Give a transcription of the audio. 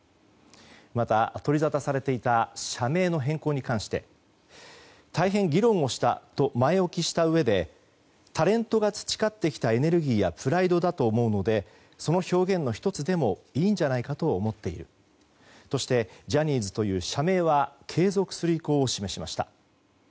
また、取りざたされていた社名の変更に関して大変議論をしたと前置きしたうえでタレントが培ってきたエネルギーやプライドだと思うのでその表現の１つでもいいんじゃないかと思っているとしてジャニーズという社名は継続する意向を示しました。